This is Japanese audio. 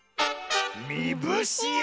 「みぶしあ」？